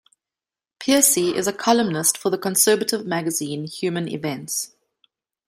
Pearcey is a columnist for the conservative magazine "Human Events".